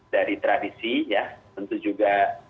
dari tradisi ya tentu juga